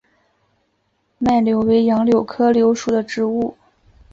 腺柳为杨柳科柳属的植物。